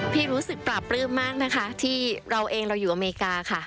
รู้สึกปราบปลื้มมากนะคะที่เราเองเราอยู่อเมริกาค่ะ